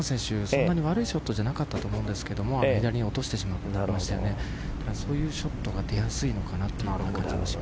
そんなに悪いショットじゃなかったと思うんですが左に落としてしまいましたのでそういうショットが出やすいのかなと思います。